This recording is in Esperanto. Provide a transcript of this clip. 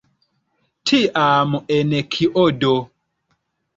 Tiam en kio do?